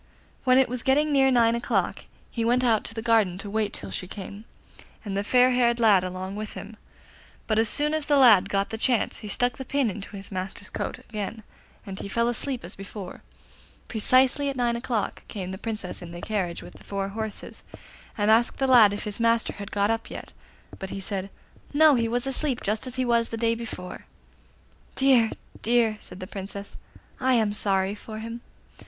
When it was getting near nine o'clock he went out to the garden to wait till she came, and the fair haired lad along with him; but as soon as the lad got the chance he stuck the pin into his master's coat again and he fell asleep as before. Precisely at nine o'clock came the Princess in the carriage with four horses, and asked the lad if his master had got up yet; but he said 'No, he was asleep, just as he was the day before.' 'Dear! dear!' said the Princess, 'I am sorry for him.